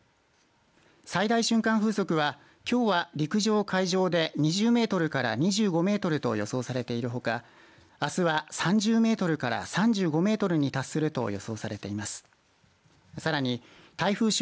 最大瞬間風速は、きょうは陸上、海上で２０メートルから２５メートルと予想されているほかあすは３０メートルから３５メートルに達すると予想されています。